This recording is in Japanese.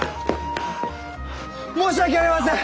申し訳ありません！